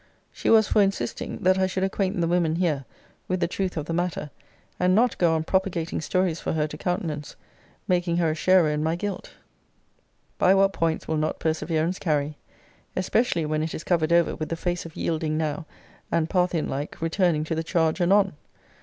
She was for insisting, that I should acquaint the women here with the truth of the matter; and not go on propagating stories for her to countenance, making her a sharer in my guilt. But what points will not perseverance carry? especially when it is covered over with the face of yielding now, and, Parthian like, returning to the charge anon.